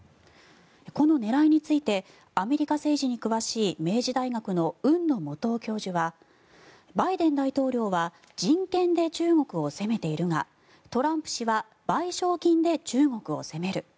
この狙いについてアメリカ政治に詳しい明治大学の海野素央教授はバイデン大統領は人権で中国を攻めているがトランプ氏は賠償金で中国を攻める。